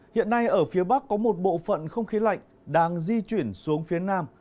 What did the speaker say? hiện nay ở phía bắc có một bộ phận không khí lạnh đang di chuyển xuống phía nam